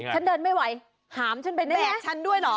ฉันเดินไม่ไหวหามฉันไปแน่กฉันด้วยเหรอ